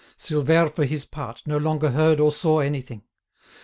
Silvère for his part no longer heard or saw anything.